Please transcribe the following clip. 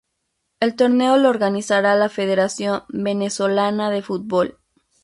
El torneo lo organizará la Federación Venezolana de Fútbol.